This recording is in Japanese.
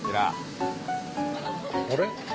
あれ？